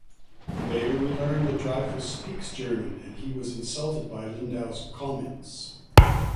Later we learn that Dryfoos speaks German, and he was insulted by Lindau's comments.